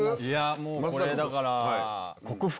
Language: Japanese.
もうこれだから。